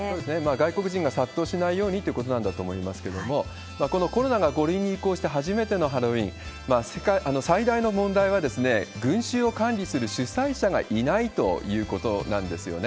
外国人が殺到しないようにということなんだと思いますけれども、このコロナが５類に移行して初めてのハロウィーン、最大の問題は、群衆を管理する主催者がいないということなんですね。